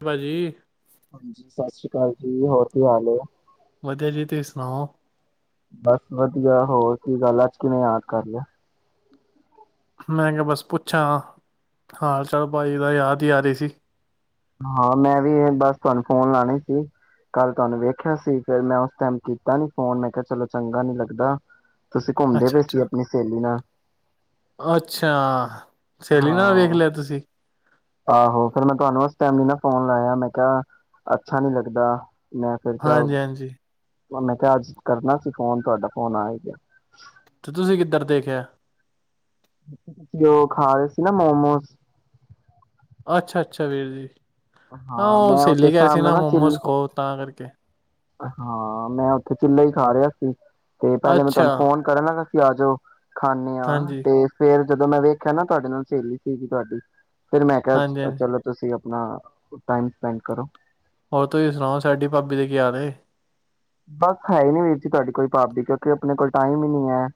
ਭਾਜੀ, ਹਾਂਜੀ ਸਤਿ ਸ੍ਰੀ ਅਕਾਲ ਜੀ, ਹੋਰ ਕੀ ਹਾਲ ਐ? ਵਧੀਆ ਜੀ, ਤੁਸੀਂ ਸੁਣਾਓ? ਬਸ ਵਧੀਆ ਹੋਰ ਕੀ ਗੱਲ ਆ ਅੱਜ ਕਿਵੇਂ ਯਾਦ ਕਰ ਲਿਆ। ਮੈਂ ਕਿਹਾ ਬਸ ਪੁੱਛਾਂ ਹਾਲ ਚਾਲ ਭਾਈ ਦਾ ਯਾਦ ਹੀ ਆ ਰਹੀ ਸੀ ਹਾਂ, ਮੈਂ ਵੀ ਇਹ ਬਸ ਤੁਹਾਨੂੰ ਫੋਨ ਲਾਣੇ ਸੀ ਕੱਲ ਤੁਹਾਨੂੰ ਵੇਖਿਆ ਸੀ ਫਿਰ ਮੈਂ ਉਸ ਟਾਈਮ ਕੀਤਾ ਨੀ ਫੋਨ ਮੈਂ ਕਿਹਾ ਚਲੋ ਚੰਗਾ ਨੀ ਲੱਗਦਾ ਤੁਸੀਂ ਘੁੰਮਦੇ ਅੱਛਾ ਪਏ ਸੀ ਅੱਛਾ ਆਪਣੀ ਸਹੇਲੀ ਨਾਲ ਅੱਛਾ ਸਹੇਲੀ ਨਾਲ ਵੇਖ ਹਾਂ ਲਿਆ ਤੁਸੀਂ ਆਹੋ ਫਿਰ ਮੈਂ ਤੁਹਾਨੂੰ ਉਸ ਟਾਈਮ ਨੀ ਨਾ ਫੋਨ ਲਾਇਆ ਮੈਂ ਕਿਹਾ ਅੱਛਾ ਨੀ ਲੱਗਦਾ ਮੈਂ ਫਿਰ ਕਿਆ ਹਾਂਜੀ ਹਾਂਜੀ ਮੈਂ ਕਿਹਾ ਅੱਜ ਕਰਨਾ ਸੀ ਫੋਨ ਤੁਹਾਡਾ ਫੋਨ ਆ ਹੀ ਗਿਆ ਤੇ ਤੁਸੀਂ ਕਿੱਧਰ ਦੇਖਿਆ ਜੋ ਖਾ ਰਹੇ ਸੀ ਨਾ ਮੋਮੋਸ ਅੱਛਾ ਅੱਛਾ ਵੀਰ ਜੀ ਆਹ ਹਾਂ ਉਹ ਮੈਂ ਉੱਥੇ ਸਹੇਲੀ ਕਰ ਸੀ ਸਾਹਮਣੇ ਨਾ ਚਿੱਲ ਮੋਮੋਸ ਖੋ ਤਾਂ ਕਰਕੇ ਤੇ ਹਾਂ ਮੈਂ ਉੱਥੇ ਚਿੱਲਾ ਹੀ ਖਾ ਰਿਹਾ ਸੀ ਤੇ ਪਹਿਲੇ ਮੈਂ ਤੁਹਾਨੂੰ ਅੱਛਾ ਫੋਨ ਕਰਨ ਲੱਗਾ ਆ ਜਾਓ ਖਾਣੇ ਆ ਹਾਂਜੀ ਤੇ ਫੇਰ ਜਦੋਂ ਮੈਂ ਵੇਖਿਆ ਨਾ ਤੁਹਾਡੇ ਨਾਲ ਸਹੇਲੀ ਸੀਗੀ ਤੁਹਾਡੀ ਫੇਰ ਮੈਂ ਹਾਂਜੀ ਕਿਹਾ ਹਾਂਜੀ ਚਲੋ ਤੁਸੀਂ ਆਪਣਾ ਟਾਈਮ ਸਪੈਂਡ ਕਰੋ ਹੋਰ ਤੁਸੀਂ ਸੁਣਾਓ ਸਾਡੀ ਭਾਬੀ ਦੇ ਕੀ ਹਾਲ ਬਸ ਹੈ ਹੀ ਨੀ ਵੀਰ ਜੀ ਤੁਹਾਡੀ ਕੋਈ ਭਾਬੀ ਕਿਉਂਕਿ ਆਪਣੇ ਕੋਲ ਟਾਈਮ ਹੀ ਨਹੀਂ ਹੈ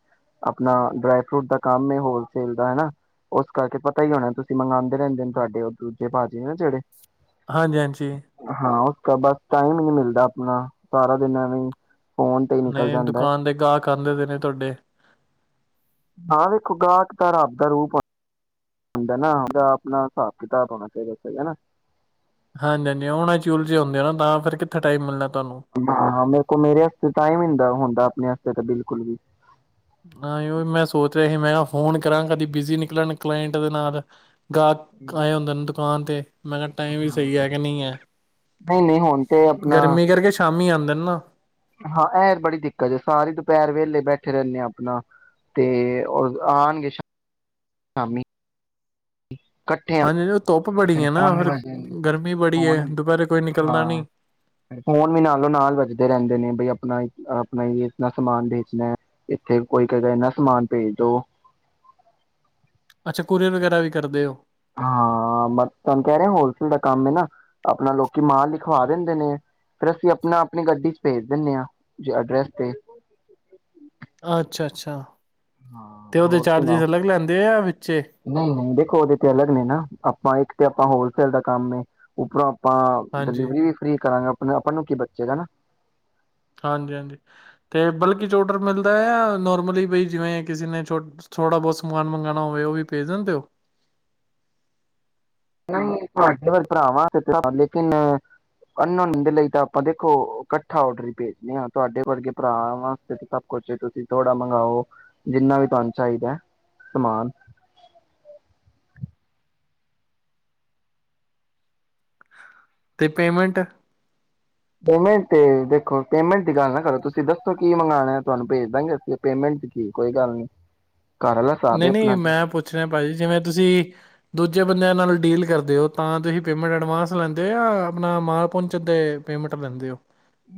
ਆਪਣਾ ਡਰਾਈ ਫਰੂਟ ਦਾ ਕੰਮ ਹੋਲਸੇਲ ਦਾ ਹੈਨਾ ਉਸ ਕਰਕੇ ਪਤਾ ਹੀ ਹੋਣਾ ਤੁਸੀਂ ਮੰਗਵਾਂਦੇ ਰਹਿੰਦੇ ਤੁਹਾਡੇ ਉਹ ਦੂਜੇ ਭਾਜੀ ਜਿਹੜੇ ਹਾਂਜੀ ਹਾਂਜੀ ਹਾਂ ਬਸ ਟਾਈਮ ਹੀ ਨੀ ਮਿਲਦਾ ਆਪਣਾ ਸਾਰਾ ਦਿਨ ਐਵੇਂ ਫੋਨ ਤੇ ਹੀ ਨਿਕਲ ਨਹੀਂ ਜਾਂਦਾ ਹੈ ਦੁਕਾਨ ਦੇ ਗਾਹਕ ਆਂਦੇ ਨੇ ਤੁਹਾਡੇ ਹਾਂ, ਦੇਖੋ ਗਾਹਕ ਤਾਂ ਰੱਬ ਦਾ ਰੂਪ ਹੁੰਦਾ ਨਾ ਉਹਦਾ ਆਪਣਾ ਹਿਸਾਬ ਕਿਤਾਬ ਹੋਣਾ ਚਾਹੀਦਾ ਸਹੀ ਹਨਾ ਹਾਂਜੀ ਹਾਂਜੀ ਆਣਾ ਸ਼ੁਰੂ ਚ ਹੁੰਦੇ ਨਾ ਤਾਂ ਫੇਰ ਕਿੱਥੇ ਟਾਈਮ ਮਿਲ ਹਾਂ ਮੇਰੇ ਕੋਲ ਮੇਰੇ ਵਾਸਤੇ ਹੀ ਟਾਈਮ ਹੁੰਦਾ ਆਪਣੇ ਤਾਂ ਬਿਲਕੁਲ ਵੀ [unintelligible] ਗਾਹਕ ਆਇਆ ਹੁੰਦਾ ਦੁਕਾਨ ਤੇ ਮੈਂ ਕਿਹਾ ਟਾਈਮ ਵੀ ਸਹੀ ਹੈ ਕਿ ਨਹੀਂ ਹੈ ਨਹੀਂ ਨਹੀਂ ਹੁਣ ਤੇ ਆਪਣਾ ਗਰਮੀ ਕਰਕੇ ਸ਼ਾਮੀ ਆਂਦਾ [unintelligible] ਹਾਂ ਐ ਬੜੀ ਦਿੱਕਤ ਹੈ ਸਾਰੇ ਦੁਪਹਿਰ ਵੇਲੇ ਬੈਠੇ ਰਹਿੰਦੇ ਆ ਆਪਣਾ ਤੇ ਆਣਗੇ ਸ਼ਾਮੀ [unintelligible] ਹਾਂਜੀ ਉਹ ਧੁੱਪ ਬੜੀ ਹੈ ਨਾ ਫੋਨ ਫਿਰ ਗਰਮੀ ਬੜੀ ਹੈ ਦੁਪਹਿਰੇ ਕੋਈ ਨਿਕਲਦਾ ਨਹੀਂ ਵੀ ਨਾਲੋਂ ਨਾਲ ਵੱਜਦੇ ਰਹਿੰਦੇ ਨੇ ਬ ਆਪਣਾ ਆਪਣਾ ਹੀ ਇਨਾ ਸਮਾਨ ਵੇਚਣਾ ਇੱਥੇ ਕੋਈ ਕੇਹੇਗਾ ਇਨਾ ਸਮਾਨ ਭੇਜ ਦੋ ਅੱਛਾ ਕੋਰੀਅਨ ਵਗੈਰਾ ਵੀ ਕਰਦੇ ਹੋ। ਹਾਂ ਮੈਂ ਤੁਹਾਨੂੰ ਕਹਿ ਰਿਹਾ ਹੋਲਸੇਲ ਦਾ ਕੰਮ ਹੈ ਨਾ ਆਪਣਾ ਲੋਕੀ ਮਾਲ ਲਿਖਵਾ ਦਿੰਦੇ ਨੇ ਫਿਰ ਅਸੀਂ ਆਪਣਾ ਆਪਣੀ ਗੱਡੀ ਚ ਭੇਜ ਦਿੰਦੇ ਹਾਂ ਅਡਰੈਸ ਤੇ ਅੱਛਾ ਅੱਛਾ ਹਾਂ ਤੇ ਉਹਦੇ ਹੋਰ ਚਾਰਜਿਸ ਸੁਣਾਓ ਅਲੱਗ ਲੈਂਦੇ ਆ ਵਿੱਚੇ ਨਹੀਂ ਨਹੀਂ ਦੇਖੋ ਉਹਦੇ ਤੇ ਅਲੱਗ ਨੇ ਨਾ ਆਪਾਂ ਇੱਕ ਆਪਣਾ ਹੋਲਸੇਲ ਦਾ ਕੰਮ ਉੱਪਰੋਂ ਆਪਾਂ ਹਾਂਜੀ ਡਿਲੀਵਰੀ ਵੀ ਫਰੀ ਕਰਾਂਗਾ ਆਪਾਂ ਨੂੰ ਕੀ ਬਚੇਗਾ ਹਨਾ ਹਾਂਜੀ ਹਾਂਜੀ ਤੇ ਬਲਕਿ ਜ਼ੋ ਆਰਡਰ ਮਿਲਦਾ ਹੈ ਜਾਂ ਨੋਰਮਲੀ ਬਈ ਜਿਵੇਂ ਕਿਸੇ ਨੇ ਥੋੜ੍ਹਾ ਬਹੁਤ ਸਮਾਨ ਮੰਗਵਾਉਣਾ ਹੋਵੇ ਉਹ ਵੀ ਭੇਜ ਦਿੰਦੇ ਹੋ ਤੁਹਾਡੇ ਵਰ ਭਰਾ ਵਾਸਤੇ ਲੇਕਿਨ ਅਨ ਦੇ ਲਈ ਤਾਂ ਆਪਾਂ ਦੇਖੋ ਇਕੱਠਾ ਡਰ ਹੀ ਭੇਜਦੇ ਹਾਂ ਤੁਹਾਡੇ ਵਰਗੇ ਭਰਾ ਵਾਸਤੇ ਸਭ ਕੁਛ ਤੁਸੀਂ ਥੋੜਾ ਮੰਗਵਾਓ ਜਿੰਨਾ ਵੀ ਤੁਹਾਨੂੰ ਚਾਹੀਦਾ ਸਮਾਨ [unintelligible] ਤੇ ਪੇਮੈਂਟ ਪੇਮੈਂਟ ਤੇ ਦੇਖੋ ਪੇਮੈਂਟ ਦੀ ਗੱਲ ਨਾ ਕਰੋ ਤੁਸੀਂ ਦੱਸੋ ਕੀ ਮੰਗਵਾਉਣਾ ਹੈ ਤੁਹਾਨੂੰ ਭੇਜ ਦੇਵਾਂਗੇ ਅਸੀਂ ਪੇਮੈਂਟ ਕੀ ਕੋਈ ਗੱਲ ਨਹੀਂ ਨਹੀਂ ਨਹੀਂ ਮੈਂ ਪੁੱਛ ਰਿਹਾ ਭਾਜੀ ਜਿਵੇਂ ਤੁਸੀਂ ਦੂਜੇ ਬੰਦਿਆਂ ਨਾਲ ਡੀਲ ਕਰਦੇ ਹੋ ਤਾਂ ਤੁਸੀਂ ਪੇਮੈਂਟ ਐਡਵਾਂਸ ਲੈਂਦੇ ਹੋ ਜਾਂ ਆਪਣਾ ਮਾਲ ਪਹੁੰਚਣ ਤੇ ਪੇਮੈਂਟ ਲੈਂਦੇ ਹੋ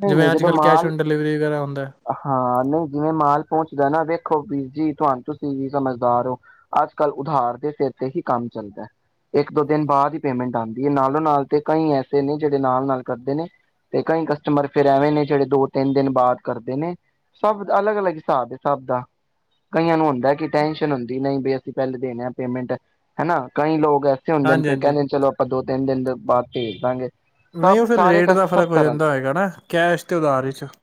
ਨਹੀਂ ਨਹੀਂ ਜਿਵੇਂ ਅੱਜ ਜਦੋਂ ਕੱਲ੍ਹ ਕੈਸ਼ ਮਾਲ ਔਨ ਡਿਲੀਵਰੀ ਵਗੈਰਾ ਹੁੰਦਾ ਹੈ। ਹਾਂ ਨਹੀਂ ਜਿਵੇਂ ਮਾਲ ਪਹੁੰਚਦਾ ਨਾ ਵੇਖੋ ਵੀਰ ਜੀ ਤੁਹਾਨੂੰ ਤੁਸੀਂ ਵੀ ਸਮਝਦਾਰ ਹੋ ਅੱਜ ਕੱਲ੍ਹ ਉਧਾਰ ਦੇ ਸਿਰ ਤੇ ਹੀ ਕੰਮ ਚੱਲਦਾ ਹੈ ਇੱਕ ਦੋ ਦਿਨ ਬਾਅਦ ਹੀ ਪੇਮੈਂਟ ਆਉਂਦੀ ਹੈ ਨਾਲੋਂ ਨਾਲ ਤੇ ਕਈ ਐਸੇ ਨੇ ਜਿਹੜੇ ਨਾਲ ਨਾਲ ਕਰਦੇ ਨੇ ਤੇ ਕਈ ਕਸਟਮਰ ਫੇਰ ਐਵੇਂ ਨੇ ਜਿਹੜੇ ਦੋ ਤਿੰਨ ਦਿਨ ਬਾਅਦ ਕਰਦੇ ਨੇ ਸਭ ਅਲੱਗ ਅਲੱਗ ਹਿਸਾਬ ਦੇ ਸਭ ਦਾ ਕਈਆਂ ਨੂੰ ਹੁੰਦਾ ਕਿ ਟੈਨਸ਼ਨ ਹੁੰਦੀ ਨਹੀਂ ਬੀ ਅਸੀਂ ਪਹਿਲੇ ਦੇਣੇ ਆ ਪੇਮੈਂਟ ਹਨਾ ਕਈ ਲੋਕ ਐਸੇ ਹੁੰਦੇ ਨੇ ਹਾਂਜੀ ਫਿਰ ਹਾਂਜੀ ਕਹਿੰਦੇ ਨੇ ਚਲ ਆਪਾਂ ਦੋ ਬਾਤਦਾਗੇ [unintelligible] ਨਹੀਂ ਉਹ ਫਿਰ ਰੇਟ ਦਾ ਫ਼ਰਕ ਹੋ ਜਾਂਦਾ ਹੋਏਗਾ ਨਾ ਕਿਆ ਇਸਸ਼ਤੇ ਅਦਾਰ 'ਚ [unintelligible]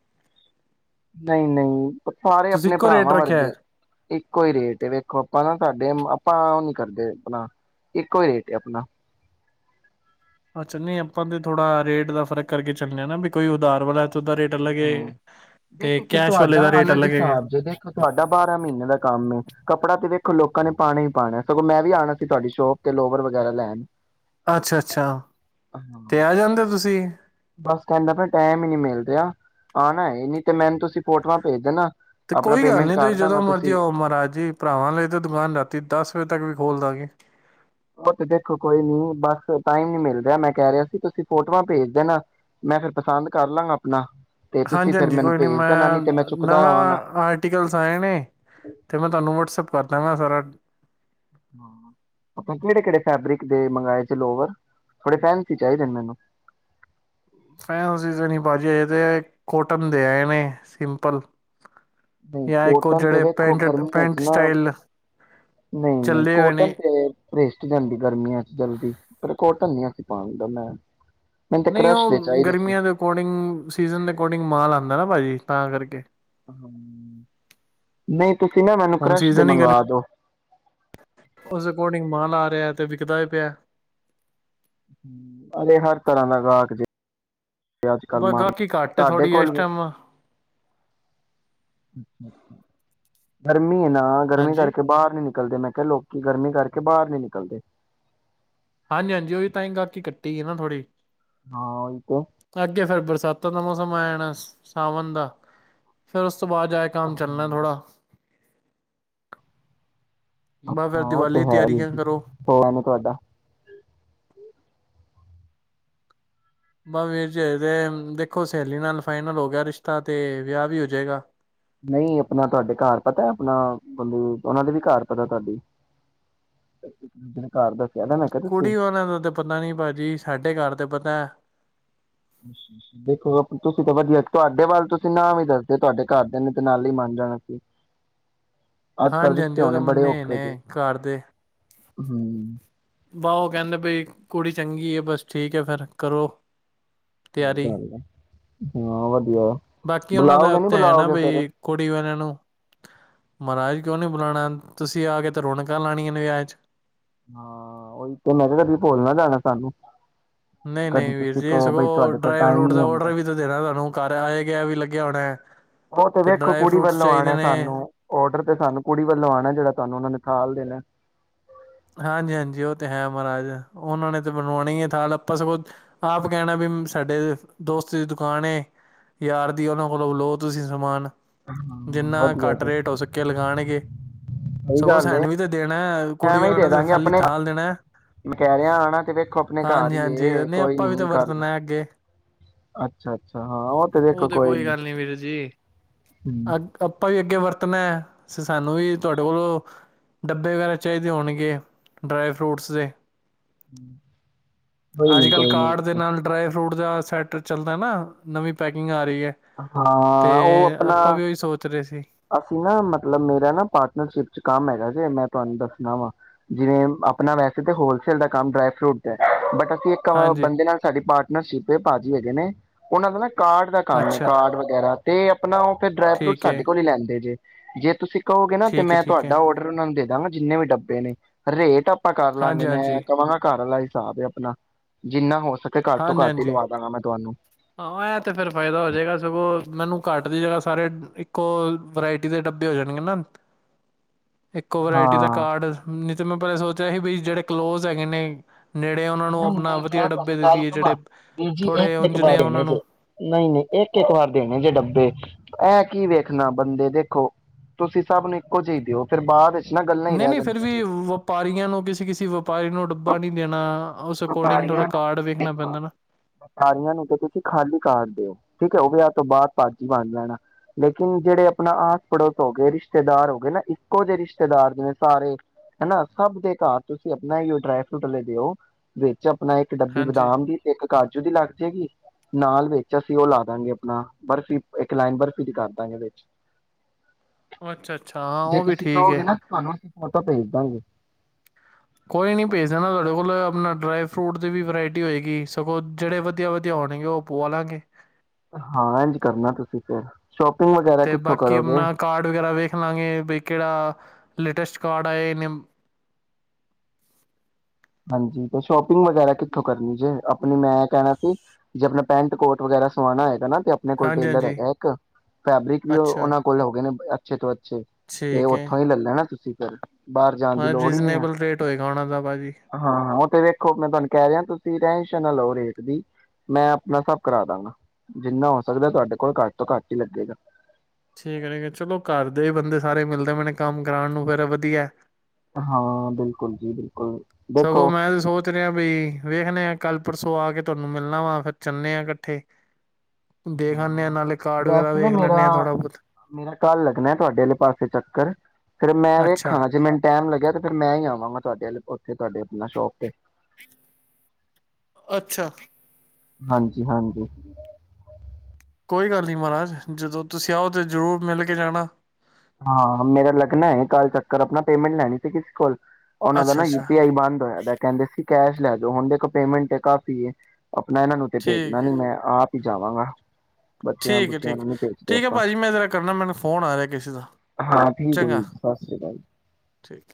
ਨਹੀਂ ਨਹੀਂ ਸਾਰੇ ਤੁਸੀਂ ਆਪਣੇ ਇੱਕੋ ਰੇਟ ਭਰਾਵਾਂ ਰੱਖਿਆ ਹੈ ਵਰਗੇ ਇੱਕੋ ਹੀ ਰੇਟ ਵੇਖੋ ਆਪਾਂ ਨਾ ਸਾਡੇ ਆਪਾਂ ਉਹ ਨਹੀ ਕਰਦੇ ਆਪਣਾ ਇੱਕੋ ਹੀ ਰੇਟ ਆ ਆਪਣਾ ਅੱਛਾ ਨਹੀਂ ਆਪਾਂ ਤੇ ਥੋੜਾ ਰੇਟ ਦਾ ਫ਼ਰਕ ਕਰਕੇ ਚੱਲਣੇ ਹਾਂ ਨਾ ਵੀ ਕੋਈ ਉਧਾਰ ਵਾਲਾ ਤੇ ਉਹਦਾ ਰੇਟ ਅਲੱਗ ਏ ਹਮ ਤੇ ਦੇਖੋ ਫਿਰ ਕੈਸ਼ ਵਾਲੇ ਤੁਹਾਡਾ ਦਾ ਰੇਟ ਅਲੱਗ ਹੈਗਾ ਹਿਸਾਬ ਜੇ ਦੇਖੋ ਤੁਹਾਡਾ ਬਾਰਾਂ ਮਹੀਨੇ ਦਾ ਕੰਮ ਹੈ ਕਪੜਾ ਤੇ ਵੇਖੋ ਲੋਕਾਂ ਨੇ ਪਾਣਾ ਹੀ ਪਾਉਣਾ ਸਗੋਂ ਮੈਂ ਵੀ ਆਉਣਾ ਸੀ ਤੁਹਾਡੀ ਸ਼ੋਪ ਤੇ ਲੋਵਰ ਵਗੈਰਾ ਲੈਣ ਅੱਛਾ ਅੱਛਾ ਹਾਂ ਤੇ ਆ ਜਾਂਦੇ ਤੁਸੀਂ ਬਸ ਕਹਿੰਦਾ ਫਿਰ ਟੈਮ ਹੀ ਨੀ ਮਿਲ ਰਿਹਾ ਆਉਣਾ ਹੈ ਨਹੀ ਤੇ ਮੈਨੂੰ ਤੁਸੀਂ ਫੋਟੋਆਂ ਭੇਜ ਦੇਣਾ ਤੇ ਆਪਣਾ ਕੋਈ ਗੱਲ ਪੇਮੈਂਟ ਨਹੀ ਕਰ ਤੁਸੀਂ ਦਾਂਗਾ ਜਦੋਂ ਮਰਜ਼ੀ ਤੁਸੀਂ ਆਓ ਮਹਾਰਾਜ ਜੀ ਭਰਾਵਾਂ ਲਈ ਤੇ ਦੁਕਾਨ ਰਾਤੀ ਦਸ ਵਜੇ ਤੱਕ ਵੀ ਖੋਲ ਦਵਾਂਗੇ ਉਹ ਤੇ ਦੇਖੋ ਕੋਈ ਨੀ ਬਸ ਟਾਈਮ ਨੀ ਮਿਲ ਰਿਹਾ ਮੈਂ ਕਹਿ ਰਿਹਾ ਸੀ ਤੁਸੀਂ ਫੋਟੋਆਂ ਭੇਜ ਦੇਣਾ ਮੈਂ ਫਿਰ ਪਸੰਦ ਕਰ ਲਾਂਗਾ ਆਪਣਾ ਤੇ ਤੁਸੀਂ ਹਾਂਜੀ ਫਿਰ ਹਾਂਜੀ ਮੈਨੂੰ ਕੋਈ ਨੀ ਭੇਜ ਦੇਣਾ ਮੈਂ ਨੀ ਤੇ ਚੁੱਕਦਾ ਨਵਾਂ ਰਵਾਂਗਾ ਆਰਟੀਕਲਸ ਆਏ ਨੇ ਤੇ ਮੈਂ ਤੁਹਾਨੂੰ ਵਟਸਪ ਕਰ ਦੇਵਾਂਗਾ ਫਿਰ ਹ [unintelligible] ਆਪਾਂ ਕਿਹੜੇ ਕਿਹੜੇ ਫੈਬਰਿਕ ਦੇ ਮੰਗਵਾਏ ਸੀ ਲੋਵਰ ਥੋੜੇ ਫੈਂਸੀ ਚਾਹੀਦੇ ਨੇ ਮੈਨੂੰ ਫ ਨ ਬਾ ਕੋਟਨ ਦੇ ਆਨ ਸਿੰਪਲ [unintelligible] ਨਹੀਂ ਜਾਂ ਇੱਕ ਉਹ ਕੋਟਨ ਤੇ ਜਿਹੜੇ ਵੇਖੋ ਪੈਂਟ ਗਰਮੀਆਂ ਚ ਪੈਂਟ ਨਾ ਸਟਾਈਲ ਨਹੀਂ ਨਹੀਂ ਚੱਲੇ ਹੋਏ ਕੋਟਨ ਨੇ ਪ੍ਰਿਸ਼ਟ ਜਾਂਦੀ ਗਰਮੀਆਂ ਚ ਜਲਦੀ ਪਰ ਕੋਟਨ ਨੀ ਅ ਪਾਣਦਾ ਮੈਂ ਮੈਨੂੰ ਤੇ ਨਹੀਂ ਕਰਸ਼ ਦੇ ਉਹ ਚਾਹੀਦੇ ਸੀ ਗਰਮੀਆਂ ਦੇ ਅਕੋਰਡਿੰਗ ਸੀਜਨ ਦੇ ਅਕੋਰਡਿੰਗ ਮਾਲ ਆਉਂਦਾ ਨਾ ਭਾਜੀ ਤਾਂ ਕਰਕੇ ਹਾਂ ਨਹੀਂ ਤੁਸੀਂ ਨਾ ਮੈਨੂੰ ਹੁਣ ਕ੍ਰਸ਼ ਦੇ ਸੀਜ਼ਨ ਹੀ ਗਰਮੀ ਮੰਗਵਾ ਦੋ। ਉਸ ਅਕੋਰਡਿੰਗ ਮਾਲ ਆ ਤੇ ਵਿਕਦਾ ਹੀ ਪਿਆ ਅ ਹਰ ਤਰ੍ਹਾਂ ਦਾ ਗਾਹਕ ਜੇ ਅੱਜ ਕੱਲ ਬਸ ਮਾਰੀ ਗਾਹਕੀ ਘੱਟ ਸਾਡੇ ਥੋੜੀ ਕੋਲ ਇਸ ਵੀ ਟਾਈਮ ਧਰਮ ਮਹੀਨਾ ਗਰਮੀ ਹਾਂਜੀ ਕਰਕੇ ਬਾਹਰ ਨੀ ਨਿਕਲਦੇ ਮੈਂ ਕਿਹਾ ਲੋਕ ਗਰਮੀ ਕਰਕੇ ਕੇ ਬਾਹਰ ਨੀ ਨਿਕਲਦੇ ਹਾਂਜੀ ਹਾਂਜੀ ਉਹ ਵੀ ਤਾਂ ਹੀ ਗਾਹਿਕੀ ਕੱਟੀ ਹੈ ਨਾ ਥੋੜ੍ਹੀ ਹਾਂ ਉਹੀ ਤੇ ਅੱਗੇ ਫੇਰ ਬਰਸਾਤਾਂ ਦਾ ਮੌਸਮ ਆਇਣਾ ਸਾਵਣ ਦਾ ਫੇਰ ਉਸ ਤੋਂ ਬਾਅਦ ਜਾ ਆਏ ਕੰਮ ਚੱਲਣਾ ਹਾਂ ਥੋੜਾ ਬਸ ਫਿਰ ਹਾਂ ਉਹ ਤੇ ਦੀਵਾਲੀ ਦੀ ਹੈ ਵੀਰ ਤਿਆਰੀਆਂ ਜੀ ਕਰੋ ਹੋਨ ਤੁਹਾਡਾ ਬ ਵੀਰ ਜੇ ਤੇ ਦੇਖੋ ਸਹੇਲੀ ਨਾਲ ਫਾਈਨਲ ਹੋ ਗਿਆ ਰਿਸ਼ਤਾ ਤੇ ਵਿਆਹ ਵੀ ਹੋ ਜੇਗਾ। ਨਹੀਂ ਆਪਣਾ ਤੁਹਾਡੇ ਘਰ ਪਤਾ ਆਪਣਾ ਮਤਲਬ ਉਹਨਾ ਦੇ ਵੀ ਘਰ ਪਤਾ ਤੁਹਾਡੀ ਘਰ ਦੱਸਿਆ ਨਾ ਮੈਂ ਕਿਹਾ ਕੁੜੀ ਤੁਸੀਂ ਉਹਨਾਂ ਦਾ ਤੇ ਪਤਾ ਨੀ ਭਾਜੀ ਸਾਡੇ ਘਰ ਤੇ ਪਤਾ ਹੈ। ਦੇਖੋ ਤੁਸੀਂ ਤਾਂ ਵਧੀਆ ਤੁਹਾਡੇ ਵੱਲ ਤੁਸੀਂ ਨ ਹੀ ਦੱਸਦੇ ਹੋ ਤੁਹਾਡੇ ਘਰਦਿਆਂ ਨੇ ਤੇ ਨਾਲ ਹੀ ਮੰਨ ਜਾਣਾ ਸੀ। ਅੱਜ ਕੱਲ੍ਹ ਹਾਂਜੀ ਹਾਂਜੀ ਰਿਸ਼ਤੇ ਉਹ ਤਾਂ ਹੋਣੇ ਬੜੇ ਮੰਨੇ ਔਖੇ ਨੇ ਜੇ ਘਰ ਦੇ ਹੂੰ ਵਾਹ ਉਹ ਕਹਿੰਦੇ ਬਈ ਕੁੜੀ ਚੰਗੀ ਹੈ ਬਸ ਠੀਕ ਹੈ ਫੇਰ ਕਰੋ। ਤਿਆਰੀ [unintelligible] ਹਾਂ ਵਧੀਆ ਬਾਕੀ ਉਹਨਾਂ ਦਾ ਬੁਲਾਓਗੇ ਨੀ ਉੱਥੇ ਹੈ ਨਾ ਬੁਲਾਓਗੇ ਫੇਰ ਬਈ ਕੁੜੀ ਵਾਲਿਆਂ ਨੂੰ ਮਹਾਰਾਜ ਕਿਉਂ ਨੀ ਬੁਲਾਉਣਾ ਤੁਸੀਂ ਆ ਕੇ ਤੇ ਰੌਣਕਾਂ ਲਾਣੀਆਂ ਨੇ ਵਿਆਹ ਚ ਹਾਂ ਉਹੀ ਤੇ ਮੈਂ ਕਿਹਾ ਕਦੀ ਭੋਲ ਨਾ ਜਾਣਾ ਸਾਨੂੰ ਨਹੀਂ ਕਦੀ ਨਹੀਂ ਵੀਰ ਤੁਸੀਂ ਜੀ ਕਹੋ ਬਈ ਸਗੋਂ ਤੁਹਾਡੇ ਕੋਲ ਡਰਾਈ ਟਾਈਮ ਫਰੂਟ ਨੀ ਦਾ ਔਡਰ ਹੁੰਦਾ ਵੀ ਤਾਂ ਦੇਣਾ ਤੁਹਾਨੂੰ ਘਰ ਆ ਗਿਆ ਵੀ ਲੱਗਿਆ ਹੋਣਾ। ਉਹ ਤੇ ਵੇਖੋ ਡਰਾਈ ਕੁੜੀ ਫਰੂਟਸ ਵੱਲੋਂ ਚਾਹੀਦੇ ਆਣਾ ਨੇ ਸਾਨੂੰ ਔਡਰ ਤੇ ਸਾਨੂੰ ਕੁੜੀ ਵੱਲੋਂ ਆਣਾ ਜਿਹੜਾ ਤੁਹਾਨੂੰ ਉਹਨਾਂ ਨੇ ਥਾਲ ਦੇਨਾ ਹਾਂਜੀ ਹਾਂਜੀ ਉਹ ਤੇ ਹੈ ਮਹਾਰਾਜ ਉਹਨਾਂ ਨੇ ਤਾਂ ਬਣਵਾਣਾ ਹੈ ਥਾਲ ਆਪਾਂ ਸਗੋਂ ਆਪ ਕਹਿਣਾ ਵੀ ਸਾਡੇ ਦੋਸਤ ਦੀ ਦੁਕਾਨ ਯਾਰ ਦੀ ਉਹਨਾਂ ਕੋਲੋਂ ਲਓ ਤੁਸੀਂ ਸਮਾਨ ਹਾਂ ਜਿੰਨਾ ਵਧੀਆ ਘੱਟ ਜੀ ਰੇਟ ਹੋ ਕੇ ਲਗਾਣਗੇ ਸਹੀ ਸਗੋਂ ਗੱਲ ਏ ਸੈਣ ਵੀ ਤੇ ਦੇਣਾ ਕੁੜੀ ਐਵੇਂ ਹੀ ਦੇ ਨੇ ਤਾਂ ਦਾਂਗੇ ਖਾਲੀ ਆਪਣੇ ਥਾਲ ਦੇਣਾ ਹੈ। ਮੈਂ ਕਹਿਰਿਆਂ ਆਣਾ ਤੇ ਵੇਖੋ ਆਪਣੇ ਘਰ ਹਾਂਜੀ ਹੀਈ ਹਾਂਜੀ ਇਹ ਨਹੀਂ ਕੋਈ ਆਪਾਂ ਵੀ ਨੀ ਤਾਂ ਗੱਲ ਵਰਤਣਾ ਹੈ ਅੱਗੇ ਅੱਛਾ ਅੱਛਾ ਹਾਂ ਉਹ ਤੇ ਵੇਖੋ ਕੋਈ ਨੀ। ਜੀ। ਹੂੰ, ਅ ਆਪਾਂ ਵੀ ਅੱਗੇ ਵਰਤ ਤੇ ਸਾਨੂੰ ਵੀ ਤੁਹਾਡੇ ਕੋਲੋਂ ਡੱਬੇ ਵਗੈਰਾ ਚਾਹੀਦੇ। ਹੋਣਗੇ ਡਰਾਈ ਫਰੂਟਸ ਦੇ ਕੋਈ ਨੀ, ਕੋਈ ਨੀ। ਸੈ ਚੱਲਦਾ ਨਾ ਨਵੀਂ ਪੈਕਿੰਗ [inaudible] ਹਾਂ, ਉਹ ਅਤੇ ਆਪਨਾ ਆਪਾਂ ਵੀ ਉਹੀ ਸੋਚ ਰਹੇ ਸੀ ਅਸੀਂ ਨਾ ਮਤਲਬ, ਮੇਰਾ ਨਾ ਪਾਰਟਨਰਸ਼ਿਪ ਚ ਕੰਮ ਹੈਗਾ ਜੇ ਮੈਂ ਤੁਹਾਨੂੰ ਦੱਸਣਾ ਵਾ, ਜਿਵੇਂ ਆਪਣਾ ਵੈਸੇ ਤਾਂ ਹੋਲਸੇਲ ਦਾ ਕੰਮ ਡਰਾਈ -ਫਰੂਟ ਦਾ ਬਟ ਇੱਕ ਹਾਂਜੀ ਬੰਦੇ ਨਾਲ ਸਾਡੀ ਪਾਰਟਨਰਸ਼ਿਪ ਏ, ਭਾਜੀ ਹੈਗੇ ਨੇ। ਉਹਨਾਂ ਦਾ ਨਾ ਕਾਰਡ ਕੰਮ ਅੱਛਾ ਕਾਰਡ ਵਗੈਰਾ ਤੇ ਆਪਣਾ, ਉਹ ਫਿਰ ਡਰਾਈ- ਫਰੂਟ ਠੀਕ ਸਾਡੇ ਹੈ ਕੋਲ ਹੀ ਲੈਂਦੇ ਜੇ ਜੇ ਤੁਸੀਂ ਕਹੋਗੇ ਨਾ, ਤੇ ਠੀਕ ਹੈ ਮੈਂ ਠੀਕ ਹੈ ਤੁਹਾਡਾ ਔਡਰ ਉਹਨਾਂ ਨੂੰ ਦੇ ਦਾਂਗਾ। ਜਿੰਨੇ ਵੀ ਡੱਬੇ ਨੇ, ਰੇਟ ਆਪ ਆਪਾਂ ਕਰ ਲਾਂਗੇ, ਹਾਂਜੀ ਹਾਂਜੀ ਮੈਂ ਕਵਾਂਗਾ ਘਰ ਲਾਈ ਹਿਸਾਬ ਏ ਆਪਣਾ, ਜਿੰਨਾ ਹੋ ਘਟ ਤੋਂ ਹਾਂਜੀ ਘੱਟ ਹੀ ਹਾਂਜੀ ਲਵਾ ਦਵਾਂਗਾ, ਮੈਂ ਤੁਹਾਨੂੰ। ਹਾਂ, ਇਹ ਤੇ ਫਿਰ ਫ਼ਾਇਦਾ ਹੋ ਜਾਏਗਾ। ਸਗੋਂ ਮੈਨੂੰ ਘੱਟ ਦੀ ਜ੍ਗਾ, ਸਾਰੇ ਇੱਕੋ ਵਰਾਇਟੀ ਦੇ ਡੱਬੇ ਹੋ ਜਾਣਗੇ ਨਾ। ਇੱਕੋ ਵਰਾਇਟੀ ਦਾ ਹਾਂ ਕਾਰਡ ਤੇ ਮੈਂ ਪਹਿਲਾਂ ਸੋਚਿਆ ਸੀ, ਬਈ ਜਿਹੜੇ ਕਲੋਜ ਹੈਗੇ ਨੇ ਨੇੜੇ ਉਹਨਾਂ ਨੂੰ ਨਹੀਂ ਆਪਣਾ ਨਹੀਂ ਵਧੀਆ ਮੈਂ ਡੱਬੇ ਤੁਹਾਡੀ ਗੱਲ ਦੇਦੀਏ, ਜਿਹੜੇ ਕਵਾਂ ਵੀਰ ਜੀ ਥੋੜੇ ਇੱਕ ਇੱਕ ਵਾਰ ਦੇਣੇ ਉਹਨਾਂ ਜੇ, ਨੂੰ ਨਹੀਂ -ਨਹੀਂ ਇੱਕ- ਇੱਕ ਵਾਰ ਦੇਣੇ ਜੇ ਡੱਬੇ। ਐਂ ਕੀ ਵੇਖਣਾ, ਬੰਦੇ ਦੇਖੋ, ਤੁਸੀਂ ਸਭ ਨੂੰ ਇੱਕੋ ਜਿਹੀ ਦਿਓ, ਫਿਰ ਬਾਅਦ ਨਾ ਗੱਲਾਂ ਹੀ ਨਹੀਂ- ਰਹਿ ਨਹੀਂ ਫਿਰ ਜਾਂਦੀਆਂ ਵੀ ਜੇ ਵਪਾਰੀਆਂ ਨੂੰ, ਕਿਸੇ -ਕਿਸੇ ਵਪਾਰੀ ਨੂੰ ਡੱਬਾ ਨਹੀਂ ਦੇਣਾ? ਉਸ ਅਕੋਰਡਿੰਗ ਥੋੜਾ ਵਪਾਰੀਆਂ ਨੂੰ ਕਾਰਡ ਵੇਖਣਾ ਪੈਂਦਾ ਨਾ ਵਪਾਰੀਆਂ ਨੂੰ, ਤੇ ਤੁਸੀਂ ਖਾਲੀ ਕਾਰਡ ਦਿਓ। ਠੀਕ ਹੈ, ਉਹ ਵਿਆਹ ਤੋਂ ਬਾਅਦ ਭਾਜੀ ਬੰਨ ਦੇਣਾ, ਲੇਕਿਨ ਜਿਹੜੇ ਆਪਣਾ ਆਸ ਪੜੋਸ ਹੋ ਗਏ, ਰਿਸ਼ਤੇਦਾਰ ਹੋ ਗਏ ਨਾ, ਇੱਕੋ ਜਿਹੇ ਰਿਸ਼ਤੇਦਾਰ, ਜਿਵੇ ਸਾਰੇ ਹਨਾ ਸਭ ਦੇ ਘਰ ਤੁਸੀਂ ਆਪਣਾ ਹੀ ਉਹ ਡਰਾਈ -ਫਰੂਟ ਲੈ ਦਿਓ। ਜੀ। ਆਪਣਾ ਇੱਕ ਡੱਬੀ ਹਾਂਜੀ ਬਦਾਮ ਦੀ, ਇੱਕ ਕਾਜੂ ਦੀ ਲੱਗ ਜਾਏਗੀ। ਨਾਲ ਵਿੱਚ ਅਸੀਂ ਉਹ ਲਾ ਦਾਂਗੇ, ਆਪਣਾ ਬਰਫ਼ੀ, ਇੱਕ ਲਾਈਨ ਬਰਫ਼ੀ ਦੀ ਕਰ ਦਾਂਗੇ ਵਿੱਚ। ਉਹ ਅੱਛਾ ਅੱਛਾ ਹਾਂ ਜੇ ਉਹ ਵੀ ਤੁਸੀਂ ਠੀਕ ਕਹੋਗੇ ਹੈ ਨਾ, ਤੁਹਾਨੂੰ ਅਸੀਂ ਫੋਟੋ ਭੇਜ ਦਾਂਗੇ। ਕੋਈ ਨੀ ਭੇਜ ਦੇਣਾ, ਤੁਹਾਡੇ ਕੋਲ ਆਪਣਾ ਡਰਾਈ- ਫਰੂਟ ਦੀ ਵੀ ਵਰਾਇਟੀ ਹੋਏਗੀ। ਸਗੋਂ ਜਿਹੜੇ ਵਧੀਆ- ਵਧੀਆ ਹੋਣਗੇ ਉਹ ਪਵਾ ਲਾਂਗੇ। ਹਾਂ, ਇੰਝ ਕਰਨਾ ਤੁਸੀਂ ਫਿਰ। ਸ਼ੋਪਿੰਗ ਵਗੈਰਾ ਤੇ ਕਿੱਥੋਂ ਬਾਕੀ ਕਰੋਗੇ ਆਪਣਾ, ਕਾਰਡ ਵਗੈਰਾ ਵੇਖ ਲਾਂਗੇ ਬ ਕਿਹੜਾ ਲੇਟਸਟ ਕਾਰਡ, ਆੇਨਮ ਹਾਂਜੀ ਤੇ ਸ਼ੋਪਿੰਗ ਵਗੈਰਾ ਕਿੱਥੋਂ ਕਰਨੀ ਜੇ? ਆਪਣੀ ਮੈਂ ਕਹਿਣਾ ਸੀ, ਜੇ ਆਪਣਾ ਪੈਂਟ -ਕੋਟ ਵਗੈਰਾ ਸਵਾਉਣਾ ਹੈਗਾ ਨਾ। ਆਪਣੇ ਕੋਲ ਹਾਂਜੀ ਟੇਲਰ ਹਾਂਜੀ ਹੈਗਾ ਇੱਕ, ਫੈਬਰਿਕ ਵੀ ਅੱਛਾ ਉਹਨਾਂ ਕੋਲ ਹੋ ਗਏ ਨੇ। ਚਤ [inaudible] ਅੱਾ ਤੇ ਉੱਥੋਂ ਹੀ ਲੈ ਲੈਣਾ ਤੁਸੀਂ ਹੂੰ ਮ ਰੀਜਨੇਬਲ ਰੇਟ ਹੋਏਗਾ ਉਹਨਾਂ ਦਾ ਭਾਜੀ ਹਾਂ ਉਹ ਤੇ ਵੇਖੋ ਮੈਂ ਤੁਹਾਨੂੰ ਕਹਿ ਰਿਹਾ ਤੁਸੀਂ ਟੇਂਸ਼ਨ ਨਾ ਲਓ ਰੇਟ ਦੀ ਮੈਂ ਆਪਣਾ ਸਭ ਕਰਾ ਦਾਂਗਾ ਜਿੰਨਾ ਹੋ ਸਕਦਾ ਤੁਹਾਡੇ ਕੋਲ ਘੱਟ ਤੋਂ ਘੱਟ ਹੀ ਲੱਗੇਗਾ ਠੀਕ ਹੈ ਠੀਕ ਹੈ ਚਲੋ ਘਰਦੇ ਬੰਦੇ ਸਾਰੇ ਮਿਲਦੇ ਮੈਨ ਕੰਮ ਕਰਾਉਣ ਨੂੰ ਫੇਰ ਵਧੀਆ ਹਾਂ ਬਿਲਕੁਲ ਜੀ ਬਿਲਕੁਲ ਸਗੋਂ ਦੇਖੋ ਮੈਂ ਤੇ ਸੋਚ ਰਿਹਾ ਬਈ ਵੇਖਦੇ ਆ ਕੱਲ ਪਰ ਸੋ ਆ ਕੇ ਤੁਹਾਨੂੰ ਮਿਲਣਾ ਵਾ ਫਿਰ ਚੱਲਨੇ ਆ ਇਕੱਠੇ ਦੇਖ ਆਨੇ ਆ ਹ ਨਾਲੇ ਕਾਰਡ ਵਗੈਰਾ ਵੈਸੇ ਨਾ ਵੇਖ ਲੈਂਦੇ ਮੇਰਾ ਆ ਥੋੜਾ ਬਹੁਤ ਮੇਰਾ ਕੱਲ ਲੱਗਣਾ ਤੁਹਾਡੇ ਆਲੇ ਪਾਸੇ ਚੱਕਰ ਫੇਰ ਮੈਂ ਅੱਛਾ ਵੇਖਾਂ ਜੇ ਮੈਨੂੰ ਟੈਮ ਲੱਗਿਆ ਤੇ ਫੇਿਰ ਮੈਂ ਹੀ ਆਵਾਂਗਾ ਤੁਹਾਡੇ ਅਲ ਥੇ ਤੁਹਾਡੇ ਆਪਣਾ ਸ਼ੌਪ ਏ ਅੱਛਾ ਹਾਂਜੀ ਹਾਂਜੀ ਕੋਈ ਗੱਲ ਨਹੀਂ ਮਹਾਰਾਜ ਜਦੋਂ ਤੁਸੀਂ ਆਓ ਤੇ ਜ਼ਰੂਰ ਮਿਲ ਕੇ ਜਾਣਾ ਹਾਂ ਮੇਰਾ ਲੱਗਣਾ ਹੈ ਕੱਲ ਚੱਕਰ ਆਪਣਾ ਪੇਮੈਂਟ ਲੈਣੀ ਸੀ ਕਿਸੇ ਕੋਲ ਉਹਨਾਂ ਦਾ ਅੱਛਾ ਨਾ ਯੂ ਅੱਛਾ ਪੀ ਆਈ ਬੰਦ ਹੋਇਆ ਕਹਿੰਦੇ ਸੀ ਕੈਸ਼ ਲੈ ਜੋ ਹੁਣ ਦੇਖੋ ਪੇਮੈਂਟ ਹੈ ਕਾਫੀ ਏ ਆਪਣਾ ਇਹਨਾਂ ਨੂੰ ਤੇ ਭੇਜਣਾ ਠੀਕ ਨੀ ਹੈ ਮੈਂ ਆਪ ਵੀ ਜਾਵਾਂਗਾ ਬੱਚਿਆਂ ਠੀਕ ਬੁੱਚਿਆਂ ਠੀਕ ਨੂੰ ਨੀ ਭੇਜਦੇ ਠੀਕ ਹੈ ਆਪਾਂ ਭਾਜੀ ਮੈਂ ਜਰਾ ਕਰਨਾ ਮੈਨੂੰ ਫੋਨ ਆ ਰਿਹਾ ਕਿਸ ਹਾਂ ਠੀਕ ਜੀ ਸਤਿ ਸ਼੍ਰੀ ਅਕਾਲ ਜੀ ਠੀਕ